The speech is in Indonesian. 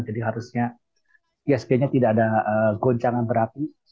jadi harusnya ihsg nya tidak ada goncangan berapi